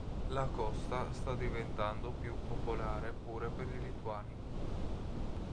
La costa sta diventando più popolare pure per i lituani.